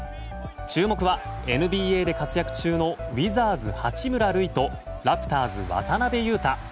注目はＮＢＡで活躍中のウィザーズ八村塁とラプターズ渡邊雄太。